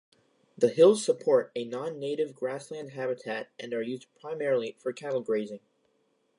The hills support a non-native grassland habitat, and are used primarily for cattle grazing.